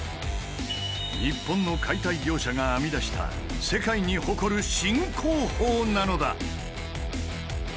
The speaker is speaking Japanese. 日本の解体業者が編み出した世界に誇る新工法なのだ！